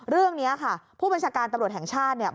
เรื่องนี้ค่ะผู้บัญชาการตำรวจแห่งชาติเนี่ย